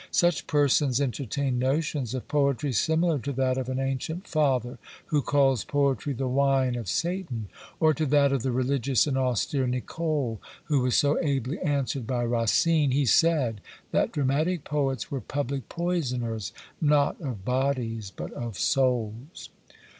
Such persons entertain notions of poetry similar to that of an ancient father, who calls poetry the wine of Satan; or to that of the religious and austere Nicole, who was so ably answered by Racine: he said, that dramatic poets were public poisoners, not of bodies, but of souls.